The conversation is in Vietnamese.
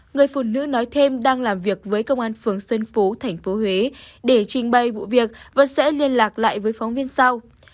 người phụ nữ nói thêm đang làm việc với công an phường xuân phú tp huế để trình bày vụ việc và sẽ liên lạc lại với phóng viên sau